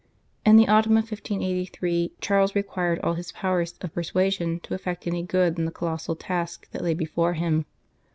In the autumn of 1583 Charles required all his powers of persuasion to effect any good in the colossal task that lay before him.